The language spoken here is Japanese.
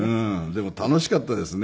でも楽しかったですね。